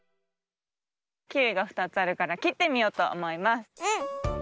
キウイが２つあるからきってみようとおもいます。